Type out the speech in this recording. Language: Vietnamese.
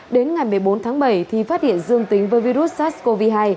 đến ngày một mươi bốn tháng bảy thì phát hiện dương tính với virus sars cov hai